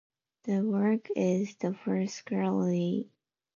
The work is the first scholarly critique published in monograph form.